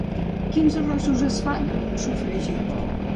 Quins arrossos es fan amb un sofregit?